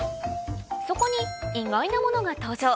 そこに意外なものが登場